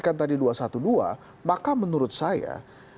kalau beliau menyaksikan tadi dua satu dua maka menurut saya